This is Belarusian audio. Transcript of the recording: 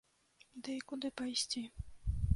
Ды і куды пайсці?